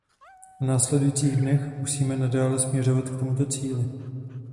V následujících dnech musíme nadále směřovat k tomuto cíli.